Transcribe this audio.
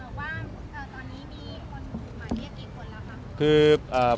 ว่าตอนนี้มีคนหมาเรียกกี่คนละคะ